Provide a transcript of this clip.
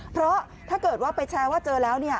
เพราะถ้าเกิดว่าไปแชร์ว่าเจอแล้ว